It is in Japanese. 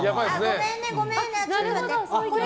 ごめんね、ごめんね！